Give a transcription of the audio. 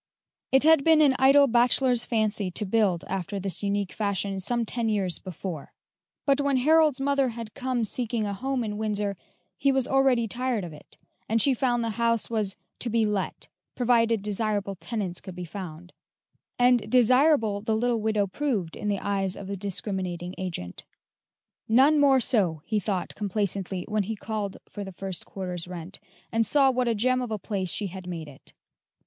It had been an idle bachelor's fancy to build after this unique fashion some ten years before; but when Harold's mother had come seeking a home in Windsor, he was already tired of it, and she found the house was "To be let," provided desirable tenants could be found; and "desirable" the little widow proved in the eyes of the discriminating agent. "None more so," he thought complacently when he called for the first quarter's rent, and saw what a gem of a place she had made it.